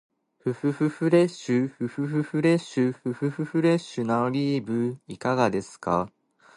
ふふふフレッシュ、ふふふフレッシュ、ふふふフレッシュなオリーブいかがですか？